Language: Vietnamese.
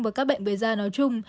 và các bệnh về da nói chung